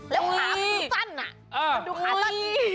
แล้วหากูสั้นน่ะมาดูขาดนี้อุ๊ย